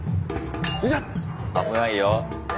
危ないよ。